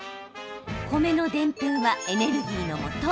米のでんぷんはエネルギーのもと。